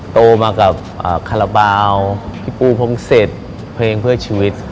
โตมากับคาราบาลพี่ปูพงศิษย์เพลงเพื่อชีวิต